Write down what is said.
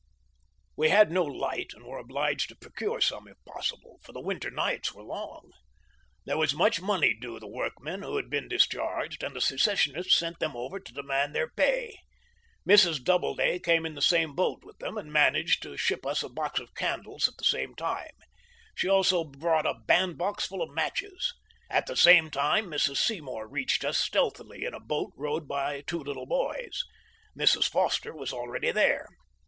We had 110 light and were obliged to procure some if possible, for the win ter nights were long. There was much money due the workmen who had been discharged, and the secessionists sent them over to demand their pay. Mrs. Doubleday came in the same boat with them, and managed to ship us a box of candles at the same time ; she also brought a bandbox full of matches. At the same time Mrs. Seymour reached us stealthily in a boat rowed by two little boys. Mrs. Foster was already there.